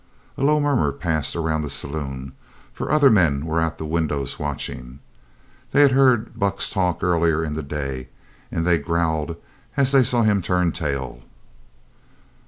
A low murmur passed around the saloon, for other men were at the windows watching. They had heard Buck's talk earlier in the day, and they growled as they saw him turn tail.